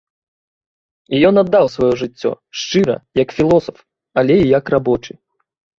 І ён аддаў сваё жыццё, шчыра, як філосаф, але і як рабочы.